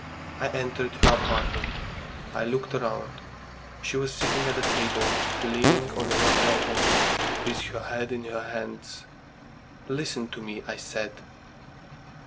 I entered her apartment. I looked round. She was sitting at the table, leaning on her elbows, with her head in her hands. "Listen to me," I said.